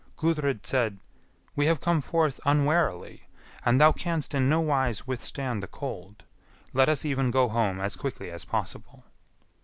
Gudrid said, "We have come forth unwarily, and thou canst in no wise withstand the cold; let us even go home as quickly as possible."